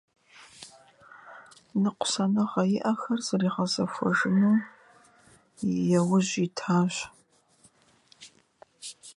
в ходе которой герой пытался восполнить все то